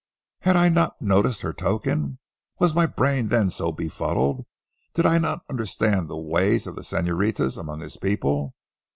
Had I not noticed her token? Was my brain then so befuddled? Did I not understand the ways of the señoritas among his people?